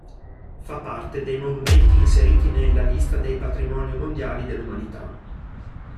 Fa parte dei monumenti inseriti nella lista dei Patrimoni mondiali dell'umanità.